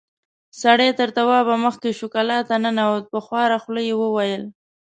سړی تر توابه مخکې شو، کلا ته ننوت، په خواره خوله يې وويل: